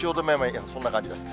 今、そんな感じです。